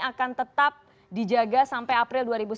akan tetap dijaga sampai april dua ribu sembilan belas